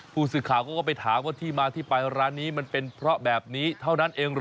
ผู้สื่อข่าวก็ไปถามว่าที่มาที่ไปร้านนี้มันเป็นเพราะแบบนี้เท่านั้นเองเหรอ